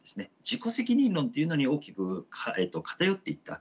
自己責任論というのに大きく偏っていった。